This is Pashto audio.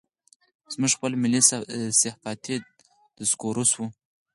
زموږ خپل ملي صحافتي ډسکورس و.